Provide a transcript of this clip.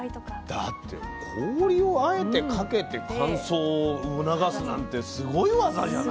だって氷をあえてかけて乾燥を促すなんてすごい技じゃない？